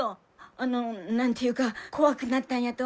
あの何て言うか怖くなったんやと思うんよ。